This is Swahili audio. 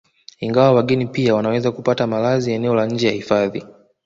Ingawa wageni pia wanaweza kupata malazi eneo la nje ya hifadhi